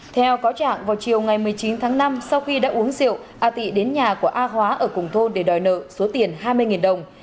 theo cáo trạng vào chiều ngày một mươi chín tháng năm sau khi đã uống rượu a tị đến nhà của a hóa ở cùng thôn để đòi nợ số tiền hai mươi đồng